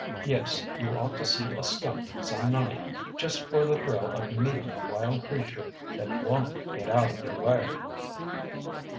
Yes, you ought to see a skunk some night, just for the thrill of meeting a wild creature that won’t get out of your way.